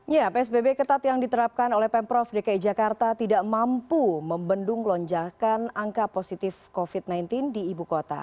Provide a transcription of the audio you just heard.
ya psbb ketat yang diterapkan oleh pemprov dki jakarta tidak mampu membendung lonjakan angka positif covid sembilan belas di ibu kota